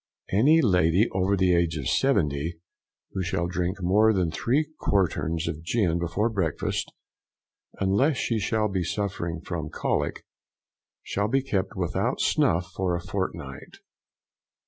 Any lady over the age of seventy, who shall drink more than three quarterns of gin before breakfast, unless she shall be suffering from the cholic, shall be kept without snuff for a fortnight.